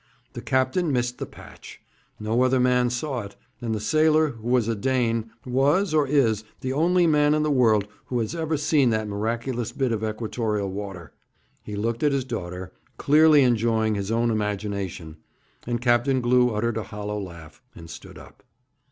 The captain missed the patch. No other man saw it; and the sailor, who was a Dane, was, or is, the only man in the world who has ever seen that miraculous bit of Equatorial water.' He looked at his daughter, clearly enjoying his own imagination; and Captain Glew uttered a hollow laugh, and stood up.